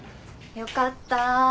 よかった。